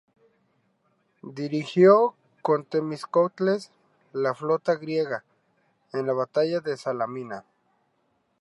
Dirigió, con Temístocles, la flota griega en la batalla de Salamina.